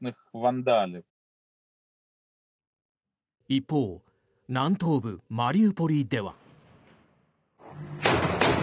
一方南東部マリウポリでは。